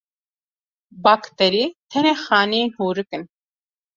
Bakterî tenê xaneyên hûrik in.